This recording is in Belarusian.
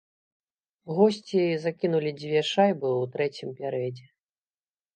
Госці закінулі дзве шайбы ў трэцім перыядзе.